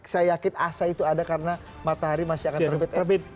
saya yakin asa itu ada karena matahari masih akan terbit terbit